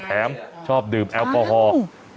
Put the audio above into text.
ชอบดื่มแอลกอฮอล์